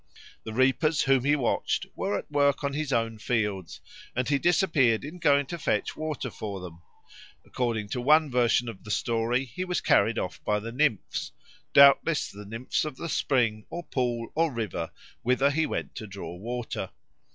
The reapers whom he watched were at work on his own fields, and he disappeared in going to fetch water for them; according to one version of the story he was carried off by the nymphs, doubtless the nymphs of the spring or pool or river whither he went to draw water.